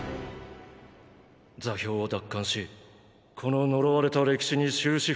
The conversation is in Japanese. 座標を奪還しこの呪われた歴史に終止符を打つ。